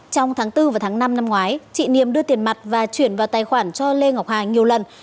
trong tháng bốn và tháng năm năm ngoái chị niềm đưa tiền mặt và chuyển vào tài khoản cho lê ngọc hà nhiều lần